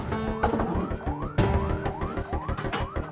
kalian jangan pernah berani deketin pangeran lagi